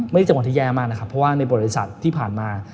ไม่ได้จังหวะที่แย่มากนะครับเพราะว่าในประวัติศาสตร์ที่ผ่านมา